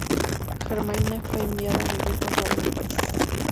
Germaine fue enviada a vivir con su abuela en París.